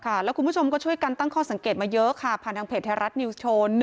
แล้วคุณผู้ชมก็ช่วยกันตั้งข้อสังเกตมาเยอะค่ะผ่านทางเพจไทยรัฐนิวส์โชว์